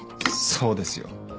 そうですよ。